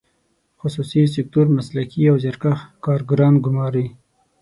خصوصي سکتور مسلکي او زیارکښ کارګران ګماري.